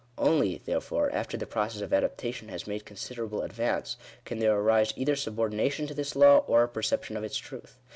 Only, therefore, after the process of adaptation has made considerable advance, <fen there arise either subordination to this law, or a perception of its truth.